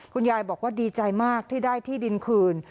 คุณยายบอกว่าดีใจมากที่ได้ที่ดินคืน